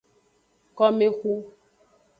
Komexu.